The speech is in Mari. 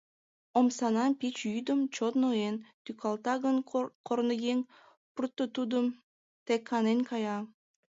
Омсанам пич йӱдым, чот ноен, Тӱкалта гын корныеҥ, Пурто тудым, тек канен кая.